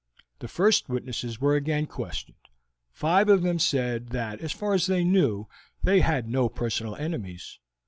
The first witnesses were again questioned; five of them said that, so far as they knew, they had no personal enemies.